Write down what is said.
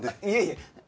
いえいえ！